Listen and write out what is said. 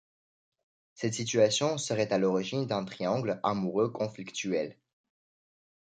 Cette situation serait à l'origine d'un triangle amoureux conflictuel.